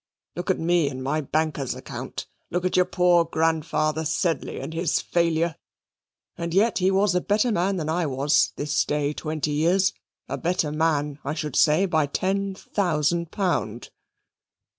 Look at me and my banker's account. Look at your poor Grandfather Sedley and his failure. And yet he was a better man than I was, this day twenty years a better man, I should say, by ten thousand pound."